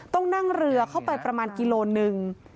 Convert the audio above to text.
ต้องนั่งเรือเข้าไปประมาณกิโลหนึ่ง